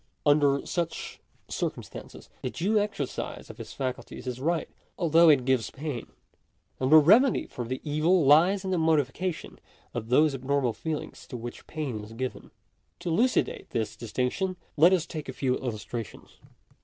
Under such circumstances the due exercise of his faculties is right, although it gives pain ; and the remedy for the evil lies in the modification of those abnormal feelings to which pain is given. To elucidate this distinction let us take a few illustrations.